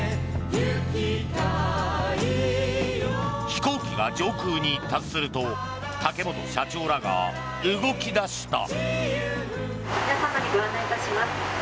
飛行機が上空に達すると竹本社長らが動き出した。